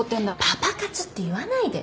パパ活って言わないで。